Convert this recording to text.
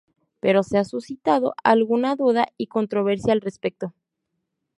Pero se ha suscitado alguna duda y controversia al respecto.